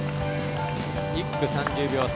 １区、３０秒差。